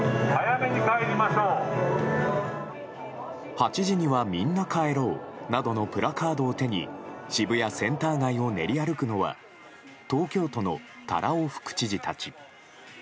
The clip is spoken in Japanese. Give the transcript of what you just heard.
「８時にはみんな帰ろう」などのプラカードを手に渋谷センター街を練り歩くのは東京都の多羅尾副知事たち。